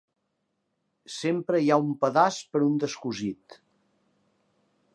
Sempre hi ha un pedaç per un descosit.